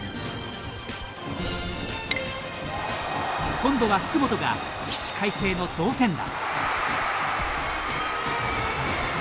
今度は福本が起死回生の同点打。